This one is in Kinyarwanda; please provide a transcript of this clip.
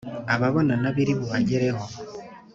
Ababona nabi iri bubagereho!